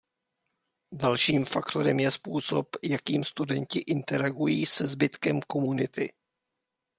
Dalším faktorem je způsob, jakým studenti interagují se zbytkem komunity.